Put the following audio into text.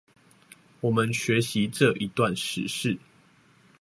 我們學習這一段史事